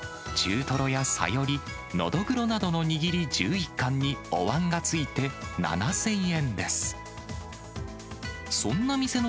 中トロやサヨリ、ノドグロなどの握り１１貫に、おわんがついて７０００円です。